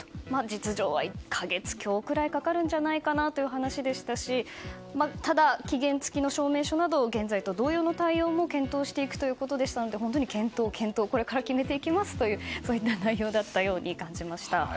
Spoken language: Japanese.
実情は１か月強くらいかかるんじゃないかなという話でしたしただ、期限付きの証明書など現在と同様の対応も検討していくということでしたので本当に検討、検討とこれから決めていきますという内容だったように感じました。